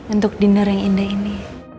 untuk dinner yang indah ini